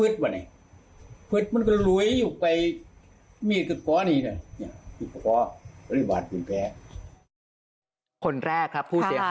ที่บาท๗นับ